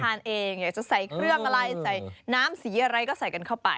เองอยากจะใส่เครื่องอะไรใส่น้ำสีอะไรก็ใส่กันเข้าไป